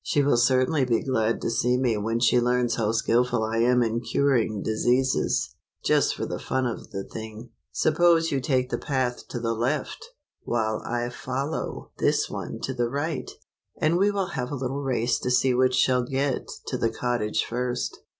She will certainly be glad to see me when she learns how skillful I am in curing diseases. Just for the fun of the thing, suppose you take the path to the left, while I follow 48 LITTLE RED RmiNC HOOD. this one to the right, and we will have a little race to see which shall get to the cottage first."